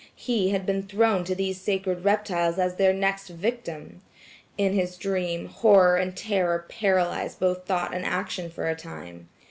He had been thrown to these sacred reptiles as their next victim. In his dream, horror and terror paralyzed both thought and action for a time.